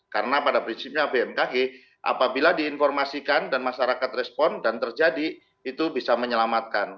karena pada prinsipnya bmkg apabila diinformasikan dan masyarakat respon dan terjadi itu bisa menyelamatkan